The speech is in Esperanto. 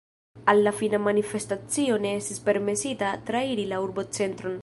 Al la fina manifestacio ne estis permesita trairi la urbocentron.